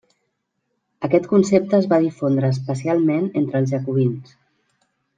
Aquest concepte es va difondre especialment entre els jacobins.